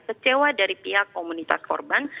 kecewa dari pihak komunitas korban